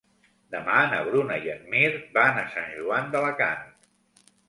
Demà na Bruna i en Mirt van a Sant Joan d'Alacant.